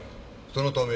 そのため。